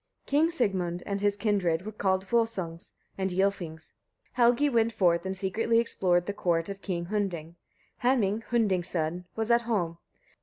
King Sigmund and his kindred were called Volsungs, and Ylfings. Helgi went forth and secretly explored the court of King Hunding. Heming, Hunding's son, was at home.